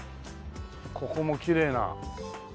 ここもきれいな。